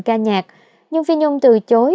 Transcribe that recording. ca nhạc nhưng phi nhung từ chối